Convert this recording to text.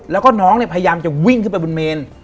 แล้วก็น้องเนี่ยพยายามจะวิ่งขึ้นไปบนเมน